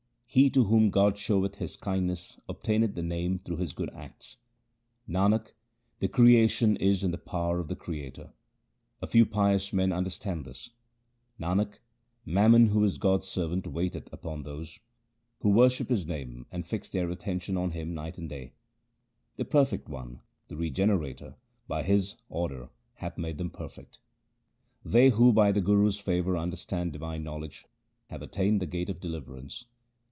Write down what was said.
He to whom God showeth His kindness obtaineth the Name through his good acts. Nanak, the creation is in the power of the Creator ; a few pious men understand this. Nanak, Mammon who is God's servant waiteth upon those Who worship His name and fix their attention on Him night and day. The perfect One, the Regenerator, by His order hath made them perfect. They who by the Guru's favour understand divine knowledge, have attained the gate of deliverance.